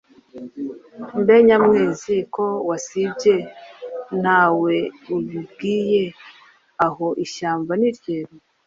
Mbe Nyamwezi ko wasibye nta we ubibwiye aho ishyamba ni ryeru?